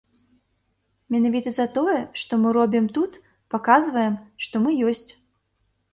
Менавіта за тое, што мы робім тут, паказваем, што мы ёсць.